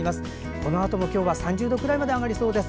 このあとも今日は３０度くらいまで上がりそうです。